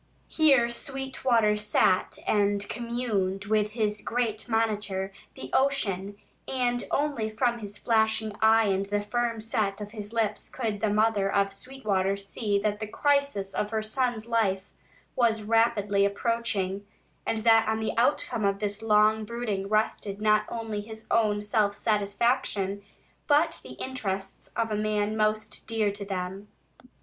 Here Sweetwater sat and communed with his great monitor, the ocean, and only from his flashing eye and the firm set of his lips could the mother of Sweetwater see that the crisis of her son's life was rapidly approaching, and that on the outcome of this long brooding rested not only his own self satisfaction, but the interests of the man most dear to them.